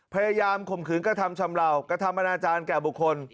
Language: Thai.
พยายามขดขืนกระทำชำลาวกระทำปรณาจารย์แก่บุคคล